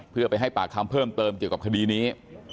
เพื่อไปให้ปากคำเพิ่มเติมเกี่ยวกับคดีนี้